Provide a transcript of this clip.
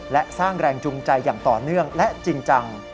และสร้างแรงจูงใจอย่างต่อเนื่องและจริงจัง